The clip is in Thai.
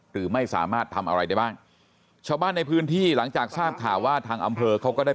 หรือไม่สามารถทำอะไรได้บ้างชาวบ้านในพื้นที่หลังจากทราบข่าวว่าทางอำเภอเขาก็ได้